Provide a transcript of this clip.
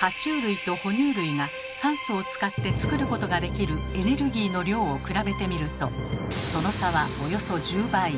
は虫類と哺乳類が酸素を使って作ることができるエネルギーの量を比べてみるとその差はおよそ１０倍。